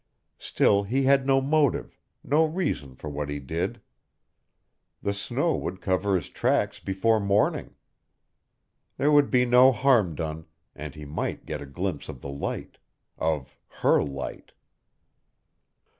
Still he had no motive, no reason for what he did. The snow would cover his tracks before morning. There would be no harm done, and he might get a glimpse of the light, of her light.